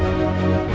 nanti uangnya mati